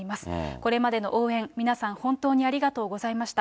これまでの応援、皆さん、本当にありがとうございました。